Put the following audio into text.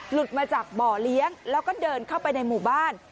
หลุดมาจากบ่อเลี้ยงแล้วก็เดินเข้าไปในหมู่บ้าน